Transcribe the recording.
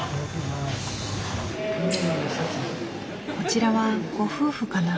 こちらはご夫婦かな？